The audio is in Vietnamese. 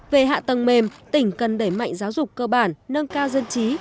về hạ tầng mềm tỉnh cần đẩy mạnh giáo dục cơ bản nâng cao dân trí